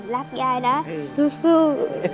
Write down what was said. รักยายนะสู้